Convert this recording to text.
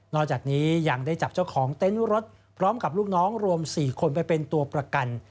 จากนี้ยังได้จับเจ้าของเต็นต์รถพร้อมกับลูกน้องรวม๔คนไปเป็นตัวประกัน